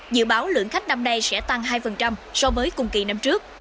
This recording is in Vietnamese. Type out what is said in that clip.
dự báo lượng khách năm nay sẽ tăng hai so với cùng kỳ năm trước